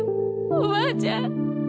おばあちゃん。